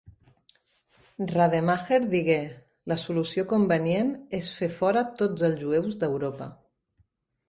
Rademacher digué: "La solució convenient és fer fora tots els jueus d'Europa".